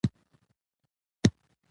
سیلابونه د افغانستان د انرژۍ سکتور برخه ده.